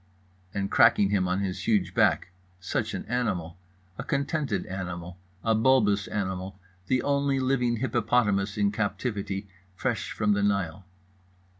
and cracking him on his huge back. Such an animal! A contented animal, a bulbous animal; the only living hippopotamus in captivity, fresh from the Nile.